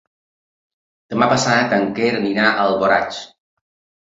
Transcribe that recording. Demà passat en Quer irà a Alboraig.